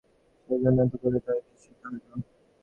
কিন্ত যেজন্য এত করিলে তাহা কি সিদ্ধ হইল।